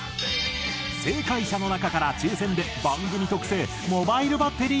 正解者の中から抽選で番組特製モバイルバッテリーをプレゼント。